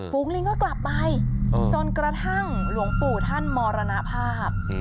ลิงก็กลับไปจนกระทั่งหลวงปู่ท่านมรณภาพ